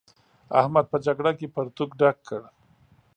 احمد په جګړه کې پرتوګ ډک کړ.